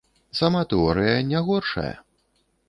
Сама тэорыя не горшая.